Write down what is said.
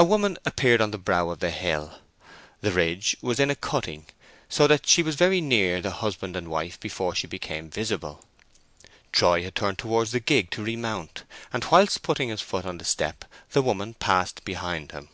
A woman appeared on the brow of the hill. The ridge was in a cutting, so that she was very near the husband and wife before she became visible. Troy had turned towards the gig to remount, and whilst putting his foot on the step the woman passed behind him.